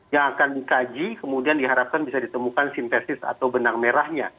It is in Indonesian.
yang akan dikaji kemudian diharapkan bisa ditemukan sintesis atau benang merahnya